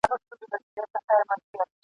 نوم به مي نه وي د زمان پر ژبه !.